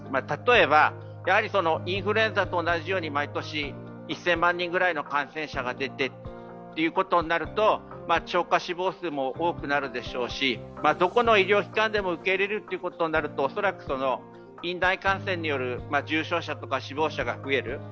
例えばインフルエンザと同じように毎年１０００万人ぐらいの感染者が出てということだと超過死亡数も多くなるでしょうしどこの医療機関でも受け入れるということになると院内感染による重症者や死亡者が増える。